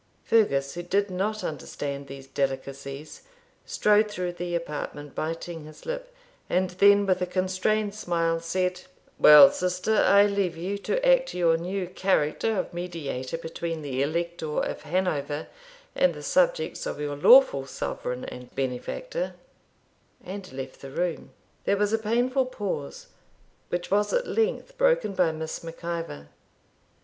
Fergus, who did not understand these delicacies, strode through the apartment biting his lip, and then, with a constrained smile, said, 'Well, sister, I leave you to act your new character of mediator between the Elector of Hanover and the subjects of your lawful sovereign and benefactor,' and left the room. There was a painful pause, which was at length broken by Miss Mac Ivor.